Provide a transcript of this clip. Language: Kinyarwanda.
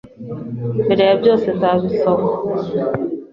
Mbere ya byose, nzabisoma.